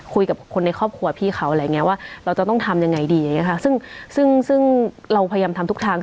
คุยกับคนในครอบครัวพี่เขาอะไรอย่างเงี้ยว่าเราจะต้องทำยังไงดีอย่างเงี้ค่ะซึ่งซึ่งเราพยายามทำทุกทาง